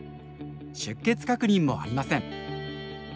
出欠確認もありません。